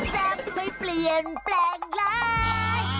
แซ่บไม่เปลี่ยนแปลงร้าย